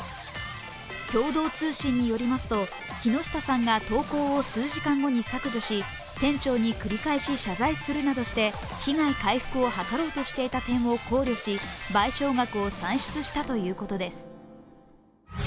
共同通信によりますと、木下さんが投稿を数時間後に削除し店長に謝罪するなどして被害回復を図ろうとした点を考慮し賠償額を算出したということです。